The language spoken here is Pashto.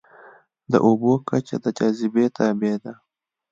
د اوبو کچه د جاذبې تابع ده.